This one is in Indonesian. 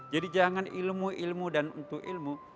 jadi jangan ilmu ilmu dan untuk ilmu